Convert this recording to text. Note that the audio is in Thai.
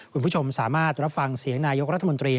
คุณผู้ชมสามารถรับฟังเสียงนายกรัฐมนตรี